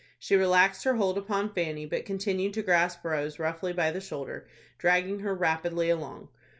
She relaxed her hold upon Fanny, but continued to grasp Rose roughly by the shoulder, dragging her rapidly along.